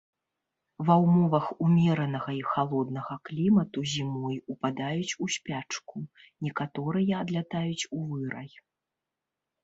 Ва ўмовах умеранага і халоднага клімату зімой упадаюць у спячку, некаторыя адлятаюць у вырай.